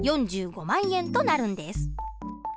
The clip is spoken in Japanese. ４５万円となるんです。